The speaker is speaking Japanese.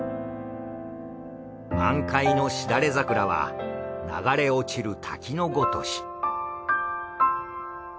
満開のしだれ桜は流れ落ちる滝のごとし。